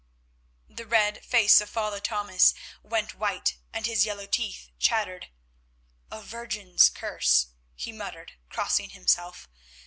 The red face of Father Thomas went white, and his yellow teeth chattered. "A virgin's curse," he muttered, crossing himself.